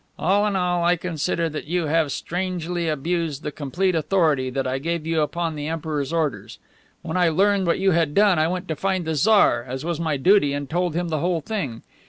All in all, I consider that you have strangely abused the complete authority that I gave you upon the Emperor's orders. When I learned what you had done I went to find the Tsar, as was my duty, and told him the whole thing.